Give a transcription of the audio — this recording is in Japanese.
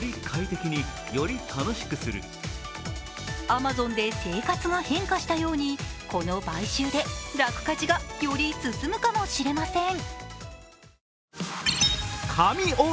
アマゾンで生活が変化したようにこの買収で楽家事がより進むかもしれません。